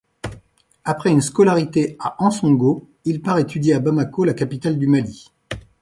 Après une scolarité à Ansongo, il part étudier à Bamako, la capitale du Mali.